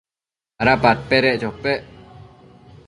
¿ada padpedec chopec?